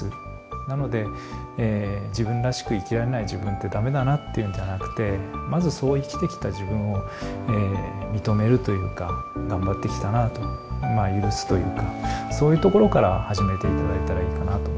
なので自分らしく生きられない自分って駄目だなっていうんじゃなくてまずそう生きてきた自分を認めるというか頑張ってきたなあと許すというかそういうところから始めて頂いたらいいかなと思います。